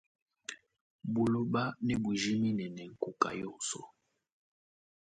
Buloba ne bujimine ne nkuka yonso.